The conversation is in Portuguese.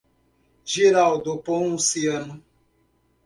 Girau do Ponciano